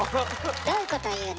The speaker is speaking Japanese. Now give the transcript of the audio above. どういうことを言うの？